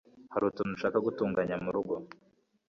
harutuntu nshaka gutunganya murugo